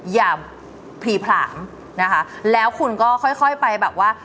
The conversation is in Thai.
อย่าผลีผลามนะคะแล้วคุณก็ค่อยค่อยไปแบบว่า